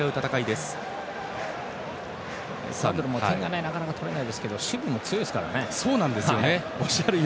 エクアドルは点はなかなか取れないですけど守備も強いですからね。